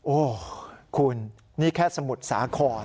โอ้โหคุณนี่แค่สมุทรสาคร